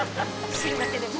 「汁だけでも」